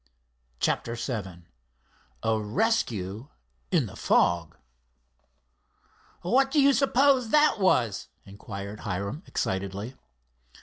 CHAPTER VII A RESCUE IN THE FOG "What do your suppose that was?" inquired Hiram excitedly.